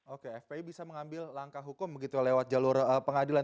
oke fpi bisa mengambil langkah hukum begitu lewat jalur pengadilan